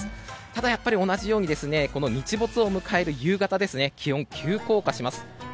ただ、同じように日没を迎える夕方は気温、急降下します。